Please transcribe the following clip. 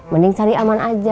mending cari aman aja